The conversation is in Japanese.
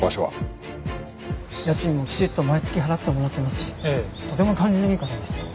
家賃もきちんと毎月払ってもらってますしとても感じのいい方です。